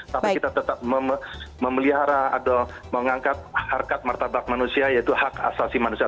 tapi kita tetap memelihara atau mengangkat harkat martabak manusia yaitu hak asasi manusia